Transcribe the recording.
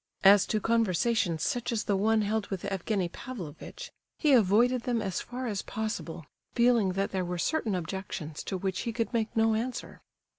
As to conversations such as the one held with Evgenie Pavlovitch, he avoided them as far as possible, feeling that there were certain objections to which he could make no answer.